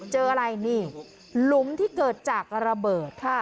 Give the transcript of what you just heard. เจออะไรนี่หลุมที่เกิดจากระเบิดค่ะ